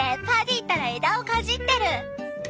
パディったら枝をかじってる。